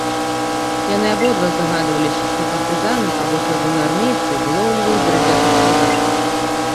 Яны абодва здагадваліся, што партызаны або чырвонаармейцы вылоўліваюць брадзячых салдат.